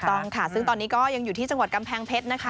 ต้องค่ะซึ่งตอนนี้ก็ยังอยู่ที่จังหวัดกำแพงเพชรนะคะ